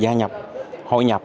gia nhập hội nhập